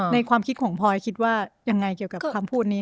ความคิดของพลอยคิดว่ายังไงเกี่ยวกับคำพูดนี้